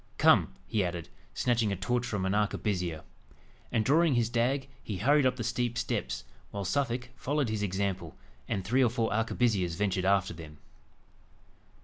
Come," he added, snatching a torch from an arquebusier. And, drawing his dag, he hurried up the steep steps, while Suffolk followed his example, and three or four arquebusiers ventured after them.